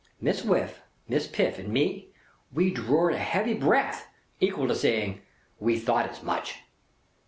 Miss Whiff, Miss Piff and me, we drored a heavy breath, equal to saying, "We thought as much!"